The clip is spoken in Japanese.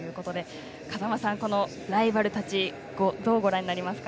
風間さん、ライバルたちをどうご覧になりますか？